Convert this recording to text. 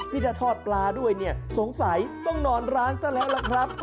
นี่ถ้าทอดปลาด้วยเนี่ยสงสัยต้องนอนร้านซะแล้วล่ะครับ